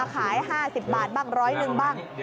ขาย๕๐บาทบ้าง๑๐๐บาทบ้าง